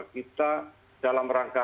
kita dalam rangka